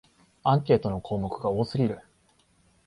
アンケートの項目が多すぎる